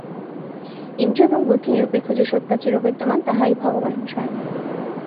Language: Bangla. ইন্দ্রিয় এবং বুদ্ধি-নিরপেক্ষ যে সত্তা চিরবিদ্যমান, তাহাই ভগবান স্বয়ং।